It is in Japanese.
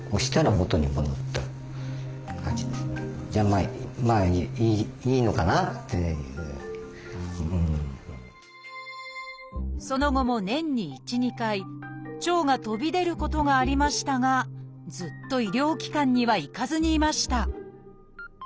和式のその後も年に１２回腸が飛び出ることがありましたがずっと医療機関には行かずにいました。